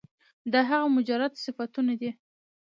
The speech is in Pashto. دا هغه مجرد صفتونه دي